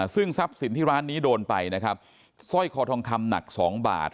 ซึ่งทรัพย์สินที่ร้านนี้โดนไปซ่อยขอทองคำหนัก๒บาท